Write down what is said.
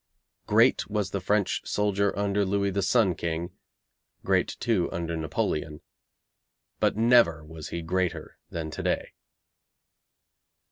Great was the French soldier under Louis the Sun King, great too under Napoleon, but never was he greater than to day.